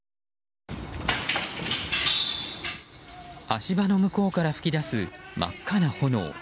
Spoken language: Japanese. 足場の向こうから噴き出す真っ赤な炎。